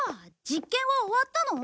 実験は終わったの？